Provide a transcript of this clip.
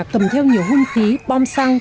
cầm theo nhiều hung khí bom xăng